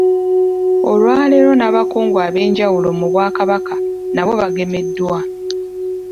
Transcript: Olwaleero n’abakungu ab’enjawulo mu Bwakabaka nabo bagemeddwa.